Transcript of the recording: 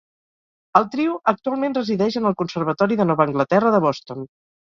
El trio actualment resideix en el Conservatori de Nova Anglaterra de Boston.